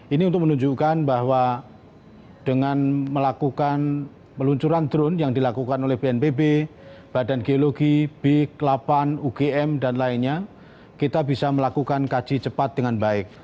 ini untuk menunjukkan bahwa dengan melakukan peluncuran drone yang dilakukan oleh bnpb badan geologi bik lapan ugm dan lainnya kita bisa melakukan kaji cepat dengan baik